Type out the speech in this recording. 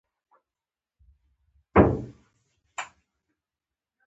احمد او علي ډېر پخوا یو له بل سره دوستي یاري لري.